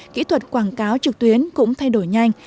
kỹ thuật quảng cáo trực tuyến cũng thay đổi nhanh